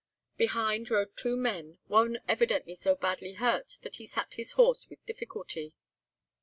Behind rode two men, one evidently so badly hurt, that he sat his horse with difficulty.